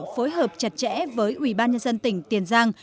phối hợp chặt chẽ với ủy ban nhân dân tỉnh tiền giang